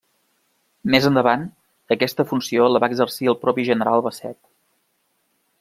Més endavant, aquesta funció la va exercir el propi general Basset.